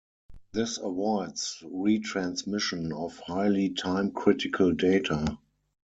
This avoids retransmission of highly time-critical data.